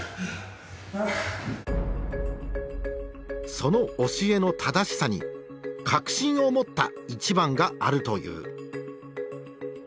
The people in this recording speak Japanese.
その教えの正しさに確信を持った一番があるという。